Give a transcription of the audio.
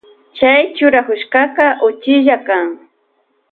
Chay churakushka uchilla kan.